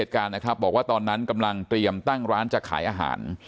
การนะครับบอกว่าตอนนั้นกำลังเตรียมตั้งร้านจะขายอาหาร